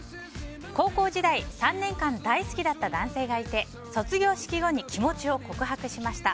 高校時代３年間大好きだった男性がいて卒業式後に気持ちを告白しました。